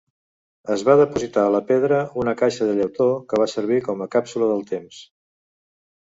Es va depositar a la pedra una caixa de llautó que va servir com a càpsula del temps.